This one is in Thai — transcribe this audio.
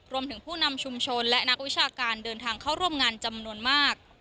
ผู้นำชุมชนและนักวิชาการเดินทางเข้าร่วมงานจำนวนมาก